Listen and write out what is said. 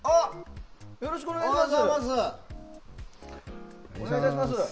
よろしくお願いします。